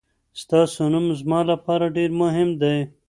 ستاسو نوم زما لپاره ډېر مهم دی.